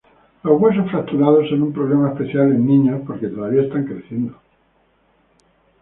Los huesos fracturados son un problema especial en niños porque todavía están creciendo.